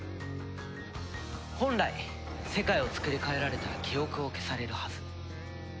本来世界をつくり変えられたら記憶を消されるはず。